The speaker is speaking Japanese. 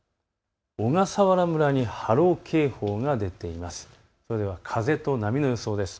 小笠原村に波浪警報が出ています。